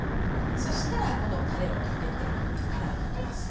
そうしたらこのたれを入れてからめていきます。